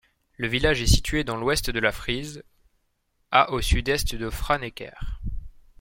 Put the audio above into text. Le village est situé dans l'ouest de la Frise, à au sud-est de Franeker.